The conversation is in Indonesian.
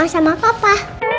kondisi oma gimana